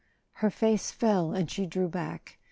Her face fell, and she drew back.